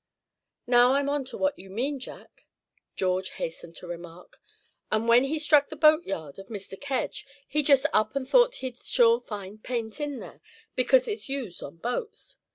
"Now I'm on to what you mean, Jack," George hastened to remark, "and when he struck the boat yard of Mr. Kedge, he just up and thought he'd sure find paint in there, because it's used on boats.